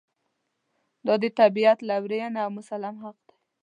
دا د طبعیت لورېینه او مسلم حق دی.